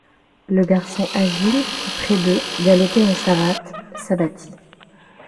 Le garçon agile qui, près d'eux, galopait en savates, s'abattit.